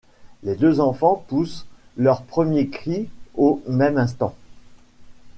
Les deux enfants poussent leur premier cri au même instant.